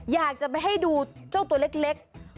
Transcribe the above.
อยากจะไปให้ดูเจ้าตัวเล็ก